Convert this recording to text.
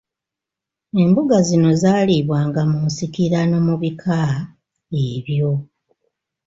Embuga zino zaalibwanga mu nsikirano mu bika ebyo.